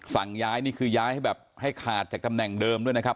สั่งย้ายนี่คือย้ายให้แบบให้ขาดจากตำแหน่งเดิมด้วยนะครับ